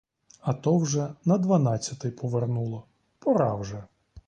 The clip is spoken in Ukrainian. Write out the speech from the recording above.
А то вже на дванадцятий повернуло, пора вже.